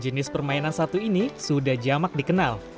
jenis permainan satu ini sudah jamak dikenal